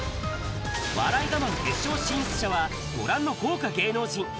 笑いガマン決勝進出者は、ご覧の豪華芸能人。